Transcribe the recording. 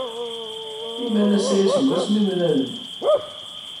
Imalas aya seg wasmi ay mlalen.